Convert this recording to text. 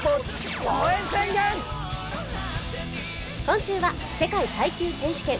今週は世界耐久選手権。